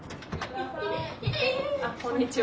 こんにちは。